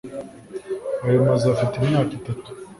ayo mazu afite imyaka itatu